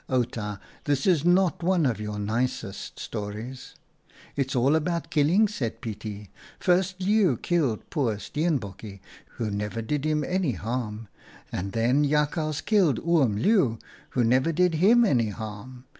Outa, this is not one of your nicest stories." " It's all about killing," said Pietie. "First Leeuw killed poor Steenbokje, who never did him any harm, and then Jakhals killed Oom Leeuw, who never did him any harm.